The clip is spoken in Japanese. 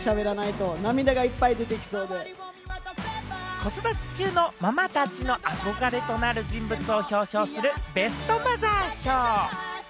子育て中のママたちの憧れとなる人物を表彰する、ベストマザー賞。